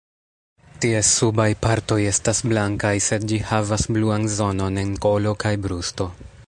Ties subaj partoj estas blankaj, sed ĝi havas bluan zonon en kolo kaj brusto.